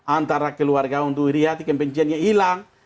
antara keluarga untuk riha kebenciannya hilang